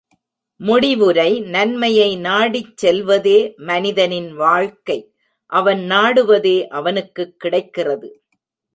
முடிவுரை நன்மையை நாடிச் செல்வதே மனிதனின் வாழ்க்கை அவன் நாடுவதே அவனுக்குக் கிடைக்கிறது.